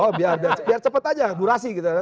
oh biar cepat aja durasi gitu ya